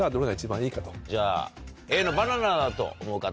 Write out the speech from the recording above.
じゃあＡのバナナだと思う方。